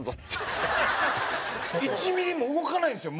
１ミリも動かないんですよ